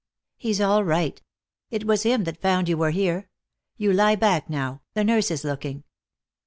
"He's all right. It was him that found you were here. You lie back now; the nurse is looking."